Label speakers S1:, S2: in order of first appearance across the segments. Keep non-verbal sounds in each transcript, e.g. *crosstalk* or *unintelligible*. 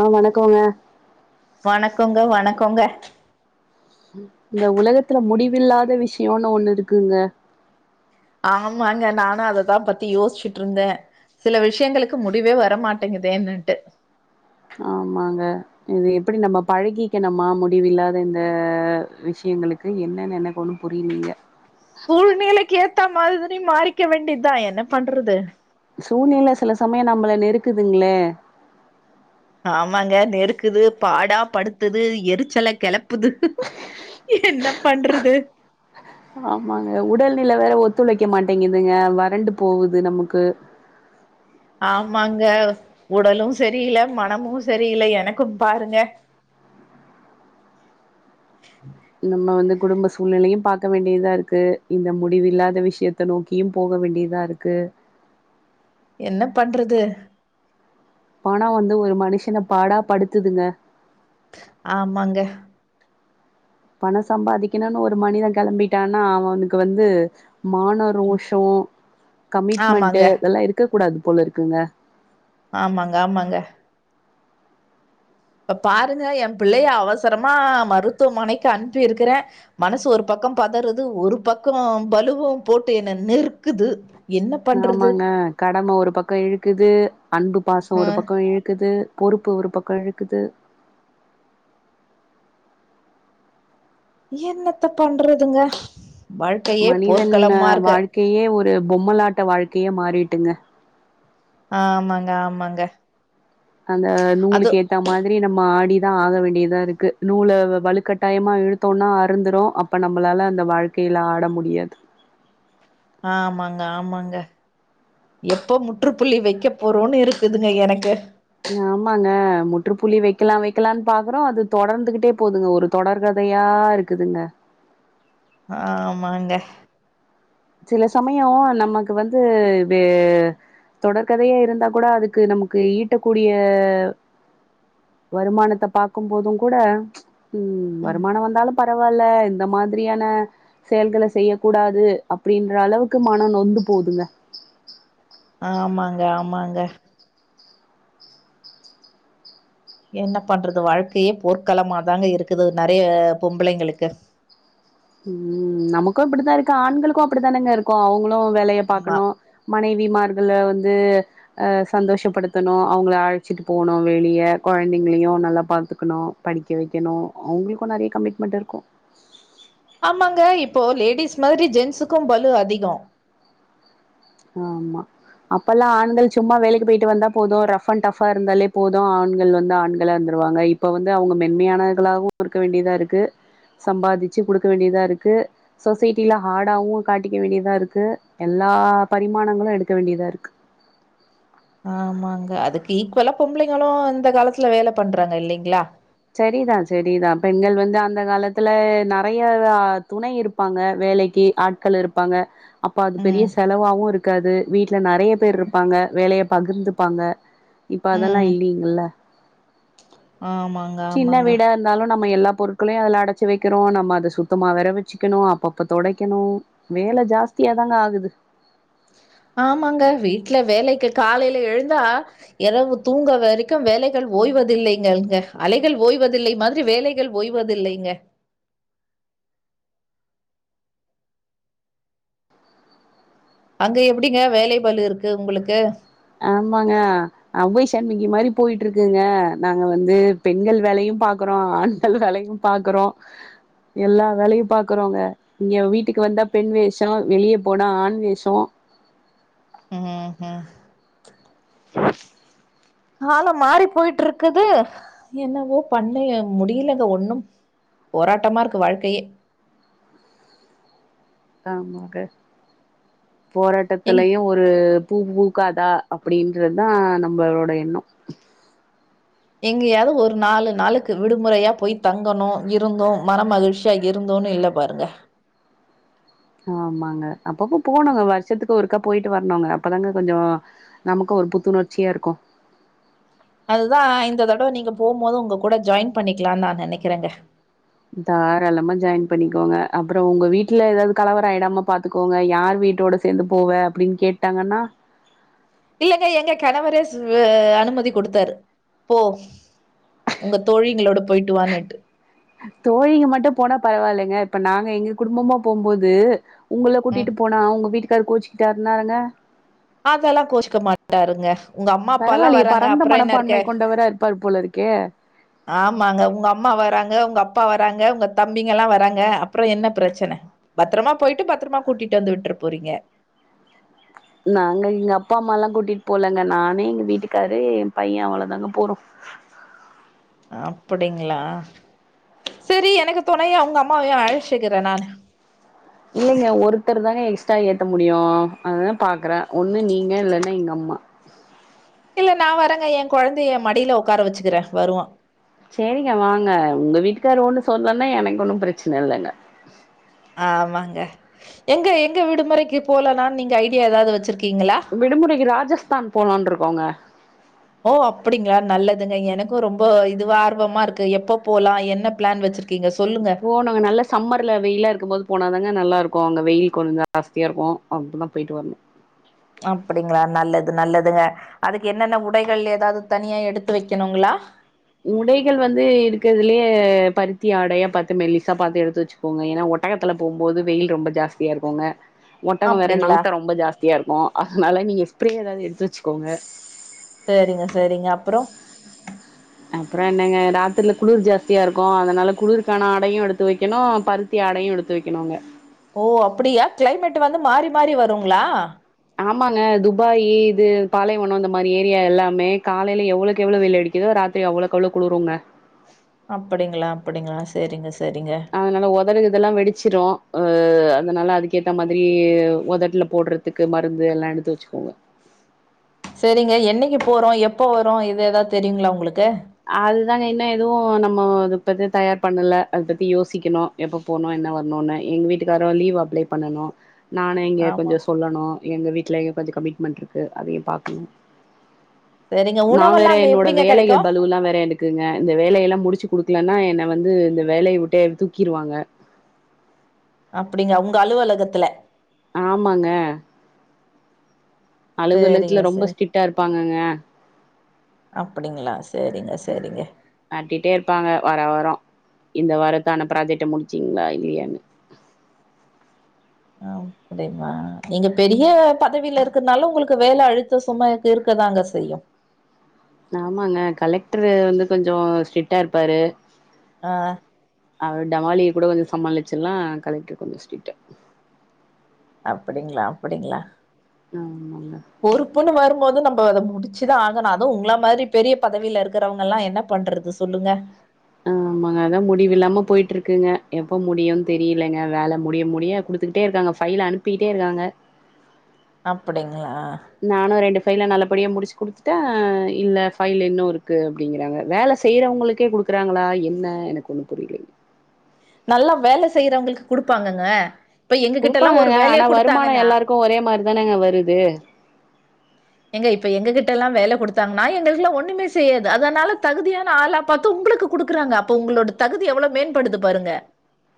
S1: ஆ வணக்கோங்க
S2: வணக்கொங்கு வணக்கொங்க
S1: இந்த உலகத்ல முடிவில்லாத விஷ்யொனு ஒன்னு இருக்குங்க
S2: ஆமாங்க நானும் அததா பத்தி யோஸ்ச்சுட்ருந்தே சில விஷ்யங்களுக்கு முடிவே வரமாட்டங்கிது ஏன்னன்டு
S1: ஆமாங்க இது எப்புடி நம்ம பழகீகெனுமா முடிவில்லாத இந்த விஷியங்களு என்னேன் எனக் ஒன்னு புரிய்லீங்க
S2: மைதுனி மாறிக்க வேண்டிதா என்ன பண்றுது
S1: சூனில செல சமய நம்புல நெருக்குதுங்ளே
S2: ஆமாங்க நெருக்குது பாடா படுத்துது எருச்சல கெலப்புது என்ன பண்றுது
S1: ஆமாங்க உடல்நில வேற ஒத்துழைக்க மாட்டேங்கிதுங்க வறண்டு போவுது நமுக்கு
S2: ஆமாங்க ஒடலு செரியில மனமு செரியில எனக்கும் பாருங்க
S1: *inaudible* நம்ம வந்து குடும்ப சூல்நெலையு பாக்க வேண்டியதாருக்கு இந்த முடிவில்லாத விஷ்யத்த நோக்கியும் போக வேண்டியதாருக்கு
S2: என்ன பண்றுது
S1: பண வந்து ஒரு மனுஷ்ஷன பாடா படுத்துதுங்க
S2: ஆமாங்க
S1: பணம் சம்பாதிக்கணுன்னு ஒரு மனித கெலம்பிட்டானா அவனுக்கு வந்து மான ரோஷோ கமிட்மண்டு
S2: ஆமாங்க
S1: இதெல்லா இருக்க கூடாது போலருக்குங்க
S2: ஆமாங்க ஆமாங்க ப்ப பாருங்க ஏம் புள்ளய அவஸ்சரமா மருத்துமனைக்கு அன்ப்பி இருக்குறே மனசு ஒரு பக் கம் பதறுது ஒரு பக்கொ பலுவூ போட்டு என்ன நெர்க்குது
S1: நாமாங்க கடம ஒரு பக்கொ இழுக்குது அன்பு பாசொ
S2: ஆ
S1: ஒரு பக்கொ இழுக்குது பொறுப்பு ஒரு பக்கொ இழுக்குது
S2: என்னத்த பண்றதுங்க வாழ்க்கையே
S1: மனிதன்ன
S2: போர்க்களமா இருக்கு
S1: வாழ்க்குயே ஒரு பொம்மலாட்ட வாழ்க்குய மாறீட்டுங்க
S2: அ ஆமாங்க ஆமாங்க
S1: அந்த
S2: அது
S1: நூலுக்கேத்த மாதிரி நம்ம ஆடி தா ஆக வேண்டியதாருக்கு நூல வலுக்கட்டாயமா இழுத்தோனா அருந்துரு அப்ப நம்மளால அந்த வாழ்க்கை ல்ல ஆட முடியாது
S2: ஆமாங்க ஆமாங்க எப்போ முற்றுப்புள்ளி வெக்க போறோன் இருக்குதுங்க எனக்கு
S1: ஆமாங்க முற்றுப்புள்ளி வெக்கலா வெக்கலான் பாக்குறோ அது தொடர்ந்துகிட்டே போதுங்க ஒரு தொடர்க தயா இருக்குதுங்க
S2: ஆமாங்க
S1: சில சமயோ‌ நமக்கு வந்து வே தொடர்கதயா இருந்தா கூட அதுக்கு நமக்கு ஈட்டக்கூடிய வருமானத்த பாக்கும்போதுகூட ம் வருமானோ வந்தாலு பரவால்ல இந்த மாத்ரியான செயல்கள செய்ய கூடாது அப்டின்ற அளவுக்கு மனோ நொந்து போதுங்க
S2: ஆமாங்க ஆமாங்க என்ன பண்றது வாழ்க்கயே போர்க்களமாதாங்க இருக்குது நறைய பொம்பளைங்களுக்கு
S1: ம் நமக்கு இப்டித்தாருக்கு ஆண்களுக்கு அப்டித்தானேங்க இருக்கு அவுங்ளு வேலய
S2: ஆமா
S1: பாக்கணு மனைவிமார்கள வந்து அ சந்தோஷப்படுத்தணு அவுங்கள அழச்சிட்டு போணு வெளிய கொழந்தைங்களையு நல்லா பாத்துக்கணுபடிக்க வெக்கணு அவுங்களுக்கு நறைய கமிட்மெண்ட் இருக்கு
S2: ஆமாங்க இப்போ லேடிஸ் மாதிரி ஜென்சுக்கு பலு அதிகோ
S1: ஆமா அப்பல்லா ஆண்கள் சும்மா வேலைக்கு போய்ட்டு வந்தா போது ரஃப் அண்ட் டஃபா இருந்தாலே போது ஆண்கள் வந்து ஆண்களா இருந்து ருவாங்க இப்ப வந்து அவுங்க மென்மயானர்களாவு இருக்க வேண்டியதாருக்கு சம்பாதிச்சு குடுக்க வேண்டியதாருக்கு சொஸைட்டில ஹார்டாவு காட்டிக்க வேண்டியதாருக்கு எல்லா பரிமாணங்களு எடுக்க வேண்டியதாருக்கு
S2: ஆமாங்க அதுக்கு ஈக்வலா பொம்பளைங்களு இந்த காலத்துல வேல பண்றாங்க இல்லைங்களா
S1: செரிதா செரிதா பெண்கள் வந்து அந்த காலத்துல நறைய துணை இருப்பாங்க வேலைக்கு ஆட்கள் இருப்பாங்க அப்ப அது பெரிய
S2: ம்
S1: செலவாவு இருக்காது வீட்ல நறைய பேர்
S2: ம்
S1: இருப்பாங்க வேலை ய பகிர்ந்துப்பாங்க இப்ப அதெல்லா இல்லீங்கல்ல
S2: ஆமாங்
S1: சின்ன வீடா இருந்தாலு நம்ம எல்லாப் பொருட்களையு அதல அடைச்சு வக்கிறோ நம்ம அத சுத்தமா வேற வச்சுக்கணு அப்பப்ப தொடைக்கணு வேல ஜாஸ் தியா தாங்க ஆகுது
S2: ஆமாங்க வீட்டுல வேலைக்கு காலேல எழுந்தா எரவு தூங்க வரைக்கு வேலைகள் ஓ ஓய்வதில்லைங்கங்க அலைகள் ஓய்வதில்லை மாதிரி வேலைகள் ஓய்வதில்லைங்க அங்க எப்டிங்க வேலை பளு இருக்கு உங்களுக்கு
S1: ஆமாங்க அவ்வை சண்முகி மாரி போயிட்டு இருக்குங்க நாங்க வந்து பெண்கள் வேலையு பாக்குறோ றோ ஆண்கள் வேலையு பாக்குறோ எல்லா வேலையு பாக்குறோங்க இங்க வீட்டுக்கு வந்தா பெண் வேஷோ வெளியே போனா ஆண் வேஷோ
S2: ம்ஹூ ஹூம் காலோ மாறி போயிட்டு இருக்குது என்னவோ பண்ணு முடியலங்க ஒண்ணும் போராட்டமா இருக்கு வாழ்க்கையே
S1: ஆமாங்க
S2: எங்க
S1: போராட்டத்திலயு ஒரு பூ பூக்காதா அப்டின்றதுதா நம்மளோட எண்ணோ
S2: எங்கேயாவது ஒரு நாலு நாளுக்கு விடுமுறையா போய் தங்கணோ இருந்தோ மன மகிழ்ச்சியா இருந்தோன்னு இல்ல பாருங்க
S1: ஆமாங்க அப்பப்ப போனுங்க வருஷத்துக்கு ஒருக்கா போயிட்டு வரணோங்க அப்பதாங்க கொஞ்சோ நமக்கு ஒரு புத்துணர்ச்சியா இருக்கு
S2: அதுதான் இந்த தடவை நீங்க போம்போது உங்க கூட ஜாயின் பண்ணிக்கலா நான் நினைக்கிறேங்க
S1: தாராளமா ஜாயின் பண்ணிக்கோங்க அப்புறம் உங்க வீட்ல ஏதாவது கலவர ஆகிடாம பாத்துக்கோங்க யார் வீட்டோட சேர்ந்து போவே அப்படின்னு கேட்டாங்கன்னா
S2: இல்லலைங்க எங்க கணவரே அனுமதி கொடுத்தாரு போ உங்க தோழிங்களோட போயிட்டு வானுட்டு
S1: தோழிங்க மட்டும் போனா பரவாயில்லைங்க இப்ப நாங்க எங்க குடும்பமா போம்போது உங்கள
S2: ம்
S1: கூட்டிட்டு போனா உங்க வீட்டுக்காரு கோச்சுக்கிட்டாருன்னாங்க
S2: அதெல்லா கோஷிக்க மாட்டாருங்க உங்க அம்மா அப்பல்லாம்
S1: பரவாயில்லையே
S2: வராங்க
S1: பரந்த
S2: அப்புறம் என்ன இருக்க
S1: மனப்பான்மை கொண்டவரா இருப்பாரு போல இருக்கே
S2: ஆமாங்க உங்க அம்மா வராங்க உங்க அப்பா வராங்க உங்க தம்பிங்க எல்லாம் வராங்க அப்புறம் என்ன பிரச்சன பத்திரமா போயிட்டு பத்திரமா கூட்டிட்டு வந்து விட்ர போறீங்க
S1: நாங்க எங்க அப்பா அம்மாலா கூட்டிகிட்டு போலங்க நானு எங்க வீட்டுக்காரு என் பையன் அவ்ளவுதாங்க போறோ
S2: அப்படிங்களா சரி எனக்கு துணைய அவங்க அம்மாவையும் அழச் சிக்கிறேன் நானு
S1: இல்லைங்க ஒருத்தர் தாங்க எக்ஸ்ட்ரா ஏத்த முடியும் அததுதான் பாக்குறேன் ஒண்ணு நீங்க இல்லன்னா எங்க அம்மா ஆ *unintelligible*
S2: இல்ல நான் வரங்க என் குழந்தைய மடியில உட்கார வச்சுக்கிறேன் வருவான்
S1: சரிங்க வாங்க உங்க வீட்டுக்கார ஒன்னு சொல்லலன்னா எனக்கு ஒன்னும் பிரச்சனை இல்லைங்க
S2: ஆமாங்க எங்க எங்க விடுமுறைக்கு போலனான்னு நீங்க ஐடியா ஏதாவது வச்சிருக்க
S1: விடுமுறைக்கு ராஜஸ்தான் போலான்னு இருக்கோங்க
S2: ஓ அப்படிங்களா நல்லதுங்க எனக்கும் ரொம்ப இதுவ ஆர்வமா இருக்கு எப்ப போலாம் என்ன பிளான் வச்சிருக்க
S1: போனாங்க நல்ல சம்மர்ல வெயிலா இருக்கும் போது போனாதாங்க நல்ல இருக்கும் அங்க வெயில் கொஞ்சம் ஜாஸ்தியா இருக்கு அங்க்ட தான் போயிட்டு வரனு
S2: ங்க அதுக்கு என்னென்ன உடைகள் ஏதாவது தனியா எடுத்து வைக்கணுங்களா
S1: உடைகள் வந்து இருக்கிறதுலயே பருத்தி ஆடையா பார்த்து மெல்லிசா பாத்துு எடுத்து வச்சுக்கோங்க ஏன்னா ஒட்டகத்துல போம்போது வெயில் ரொம்ப ஜாஸ்தியா இருக்குங்க ஒட்டகம் வேற
S2: அப்படிங்களா
S1: நாத்த ரொம்ப ஜாஸ்தியா இருக்கும் அதனால நீங்க ஸ்பரே ஏதாவது எடுத்து வச்சுக்கோங்க
S2: சரிங்க சரிங்க அப்புறம்
S1: அப்புறம் என்னங்க ராத்திரில குளிர் ஜாஸ்தியா இருக்கு அதனால குளிருக்கான ஆடையும் எடுத்து வைக்கணு பருத்தி ஆடை யும் எடுத்து வைக்கணுங்க
S2: ஓ அப்படியா கிளைமேட் வந்து மாறி மாறி வருங்களா
S1: ஆமாங்க துபாயி இது பாலைவனம் அந்த மாரி ஏரியா எல்லாமே காலையில எவ்வளவுக்கு எவ்வளவு வெயில் அடிக்குதோ ராத்திரி அவ்வளவுக்குவ்வளவு குளுருங்க
S2: அப்படிங்களா அப்படிங்களா சரிங்க சரிங்க
S1: அதனால உதலு இதெல்லா வெடிச்சிரும் அ அதனால அதுக்கேத்த மாதிரி உதட்டுல போடுறதுக்கு மருந்து எல்லாம் எடுத்து வச்சுக்கோங்க
S2: சரிங்க என்னைக்கு போறோம் எப்ப வரும் இது எதாவது தெரியுங்களா உங்களுக்கு
S1: அதுதாங்க இன்னும் எதுவும் நம்ம இத பத்தி தயார் பண்ணல அது பத்தி யோசிக்கணும் எப்ப போணும் என்ன வரணும்ன்னு எங்க வீட்டுக்காரோ லீவ் அப்ளை பண்ணனும் நானும் இங்க
S2: ஆமா
S1: கொஞ்சம் சொல்லணு எங்க வீட்ல எங்க கொஞ்சம் கமிட்மெண்ட் இருக்கு அதையும் பாக்கணு
S2: சரிங்க
S1: நான் வேற
S2: உணவெல்லாம் அங்க
S1: என்னோட
S2: எப்படிங்க
S1: வேலைகள்
S2: கெடைக்கும்
S1: பலுவெல்லா வேற எடுக்குங்க இந்த வேலையெல்லாம் முடிச்சு குடுக்கலன்னா என்னை வந்து இந்த வேலையை விட்டே தூக்கிடுவாங்க
S2: அப்படிங்க உங்க அலுவலகத்துல
S1: ஆமாங்க
S2: சரிங்க
S1: அலுவலகத்துல ரொம்ப
S2: சரி
S1: ஸ்ட்ரிட்டா இருப்பாங்கங்க
S2: அப்படிங்களா சரிங்க சரிங்க
S1: அட்டிட்டே இருப்பாங்க வர வரம் இந்த வாரத்தான ப்ராஜெக்ட்ட முடிச்சீங்ளா இல்லையான்னு
S2: நீங்க பெரிய பதவியில இருக்குனாலு உங்களுக்கு வேல அழுத்தொ சுமை இருக்கதாங்க செய்யு
S1: ஆமாங்க கலெக்ட்ரு வந்து கொஞ்சொ ஸ்ட்ரிக்ட்டா இருப்பாரு
S2: ஆ
S1: அவர் டவாலிய கூட கொஞ்சொ சமாளிச்சில்லா கலெக்ட்ரு கொஞ்சொ ஸ்ட்ரிக்ட்டு
S2: அப்டிங்ளா அப்டிங்ளா
S1: ஆமாங்க
S2: பொறுப்புன்னு வரும்போது நம் போ அத முடிச்சிதா ஆகணு அது உங்கள மாரி பெரிய பதவில இருக்கறவங்கல்லா என்ன பண்றது சொல்லுங்க
S1: ஆமாங்க அதா முடிவில்லாம போய்ட்ருக்குங்க எப்ப முடியூன் தெரியிலங்க வேல முடிய முடிய குட்த் த்துக்கிட்டே இருக்காங்க ஃபைல அனுப்பிக்கிட்டே இருக்காங்க
S2: அப்டிங்
S1: நானு ரெண்டு ஃபைல நல்ல படியா முடிச்சு குடுத்துட்ட இல்ல ஃபைலு இன்னு இருக்கு அப்டிங்கிறாங்க வேல செய்றவங்களுக்கே குடுக்குறாங்களா என்ன எனக் ஒண்ணு புரிலைங்
S2: நல்லா வேல செய்றவங்களுக்கு குடுப்பாங்கங்க இப்ப எங்க கிட்ட எல்லாம் ஒரு
S1: குடுப்பாங்கங்க
S2: வேலைய
S1: ஆனா வருமானொ
S2: குடுத்தாங்கன்னா
S1: எல்லாருக்கு ஒரே மாரிதானங்க வருது
S2: ஏங்க இப்ப எங்ககிட்டல்லா வேல குடுத்தாங்னா எங்களுக்லா ஒண்ணுமே செய்யாது அதனால தகுதியான ஆளா பாத்து உங்குளுக்கு குடுக்குறாங்க அப்ப உங்களோட தகுதி எவ்வளோ மேன்படுது பாருங்க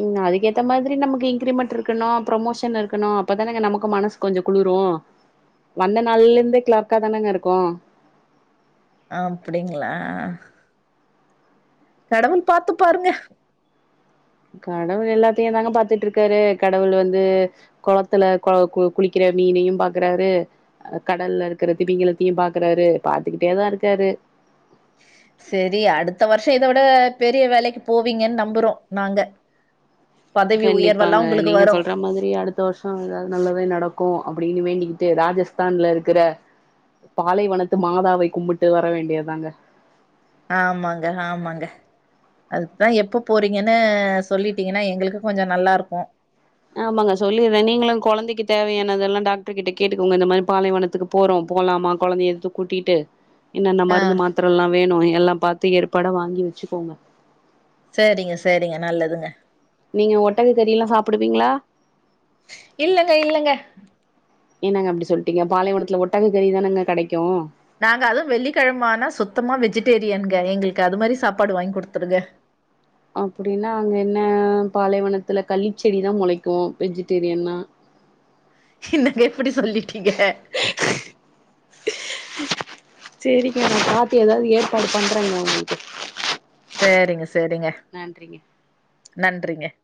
S1: ம் அதுக்கேத்த மாதிரி நமக்கு இன்க்ரிமெண்ட் இருக்கணு ப்ரமோஷன் இருக்கணு அப்பதானங்க நமக்கு மனசு கொஞ்சொ குளூ ரு வந்த நாள்லேந்தே க்ளர்க்கா தானங்க இருக்கோ
S2: அப்டிங்ளா கடவுள் பாத்துப்பாருங்க
S1: கடவுள் எல்லாத்தையும் தாங்க பாத்துட்டு இருக்காரு கடவுள் வந்து கொளத்துல கொ கு குளிக்கிற ப்ப மீனையும் பாக்குறாரு அ கடல்ல இருக்கிற திமிங்களத்தையும் பாக்குறாரு பாத்துக்கிட்டேதான் இருக்காரு
S2: செரி அடுத்த வருஷம் இத விட பெரிய வேலைக்கு போவீங்கன்னு நம்பறோம் நாங்க பதவி
S1: கண்டிப்பாங்க
S2: உயர்வெல்லாம் உங்களுக்கு
S1: நீங்க
S2: வரும்.
S1: சொல்ற மாதிரி அடுத்த வருஷம் ஏதாவது நல்லதே நடக்கும் அப்பிடின்னு வேண்டிகி தே ராஜஸ்தான்ல இருக்கிற பாலை வனத்து மாதாவை கும்பிட்டு வர வேண்டியதாங்க
S2: ஆமாங்க ஆமாங்க அதுக்தான் எப்ப போறீங்கன்னு சொல்லிட்டீங்கன்னா எங்களுக்கு கொஞ்சம் நல்லா இருக்கோ
S1: ஆமாங்க சொல்லிறேன் நீங்களும் கொழந்தைக்கு தேவையானதெல்லாம் டாக்டர் கிட்ட கேட்டுக்கோங்க இந்த மாதிரி பாலைவனத்துக்கு போறோம் போலாமா கொழந்தைய தூக் கூட்டிட்டு இன்னென்ன
S2: ஆ.
S1: மருந்து மாத்திர எல்லாம் வேணும் எல்லாம் பாத்து ஏற்பாட வாங்கி வச்சுக்கோங்க
S2: செரிங்க செரிங்க நல்லதுங்க
S1: நீங்க ஒட்டக கறி எல்லாம் சாப்பிடுவீங்களா
S2: இல்லங்க இல்லங்க
S1: என்னங்க அப்பிடி சொல்ட்டிங்க பாளைவனத்துல ஒட்டக கறி தான கெடைக்கு
S2: நாங்க அதுவும் வெள்ளிக்கெழம ஆனா சுத்தமா வெஜிடேரியனுங்க எங்களுக்கு அது மாதிரி சாப்பாடு வாங்கி குடுத்துருங்க
S1: அப்பிடின்னா அங்க என்ன பாலைவனத்துல கள்ளிச் செடிதான் முளைக்குவோம் வெஜிடேரியன்தா
S2: என்னங்க இப்பிடி சொல்லிட்டீங்க
S1: செரிங்க நான் பாத்து ஏதாவது ஏற்பாடு பண்றேங்கா உங்களுக்கு
S2: செரிங்க
S1: நன்றிங்க
S2: நன்றிங்க